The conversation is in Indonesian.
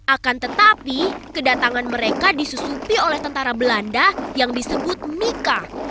akan tetapi kedatangan mereka disusupi oleh tentara belanda yang disebut mika